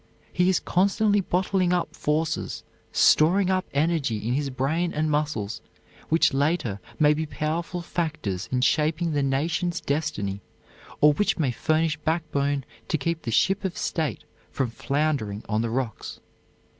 He is constantly bottling up forces, storing up energy in his brain and muscles which later may be powerful factors in shaping the nation's destiny or which may furnish backbone to keep the ship of state from floundering on the rocks.